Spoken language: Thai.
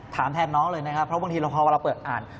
ถามแทนน้องเลยนะครับเพราะบางทีเราพอเวลาเปิดอ่าน